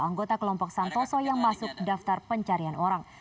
anggota kelompok santoso yang masuk daftar pencarian orang